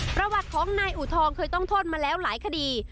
ประวัติของนายอูทองเคยต้องโทษมาแล้วหลายคดี